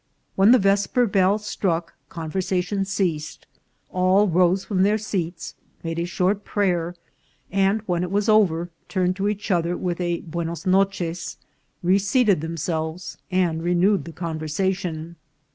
When the vesper bell struck conversation ceased, all rose from their seats, made a short prayer, and when it was over turned to each other with a buenos noces, reseated themselves, and renewed the conversation.